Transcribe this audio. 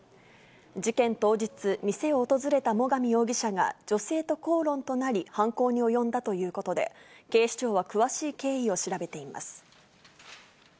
事件当日、店を訪れた最上容疑者が女性と口論となり、犯行に及んだということで、警視庁は詳しい経緯を調べています。